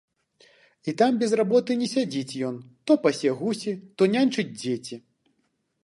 І там без работы не сядзіць ён, то пасе гусі, то няньчыць дзеці.